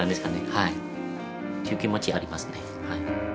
はい。